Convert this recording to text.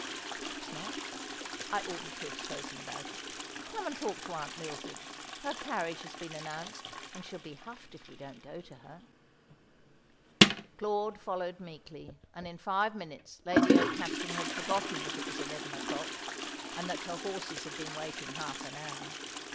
"Perhaps not. I oughtn't to have spoken about it. Come and talk to Aunt Mildred. Her carriage has been announced, and she'll be huffed if we don't go to her." Claude followed meekly, and in five minutes Lady Okehampton had forgotten that it was eleven o'clock, and that her horses had been waiting half an hour.